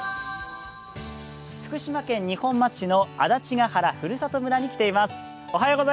福島県二本松市の安達ヶ原ふるさと村に来ています。